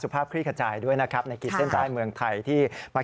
ภาพคลี่ขจายด้วยนะครับในขีดเส้นใต้เมืองไทยที่มา